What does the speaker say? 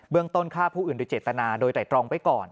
เบื้องต้นฆ่าผู้อื่นด้วยเจตนาโดยแต่ตรองไปก่อน